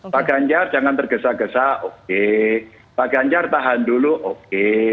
pak ganjar jangan tergesa gesa oke pak ganjar tahan dulu oke